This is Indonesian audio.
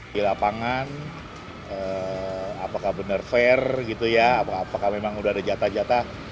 di lapangan apakah benar fair gitu ya apakah memang udah ada jatah jatah